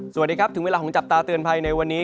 สวัสดีครับถึงเวลาของจับตาเตือนภัยในวันนี้